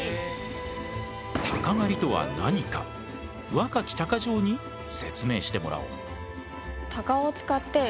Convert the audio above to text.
鷹狩りとは何か若き鷹匠に説明してもらおう。